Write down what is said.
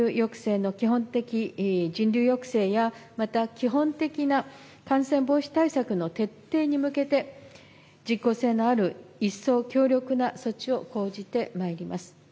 人流抑制や、また基本的な感染防止対策の徹底に向けて、実効性のある一層強力な措置を講じてまいります。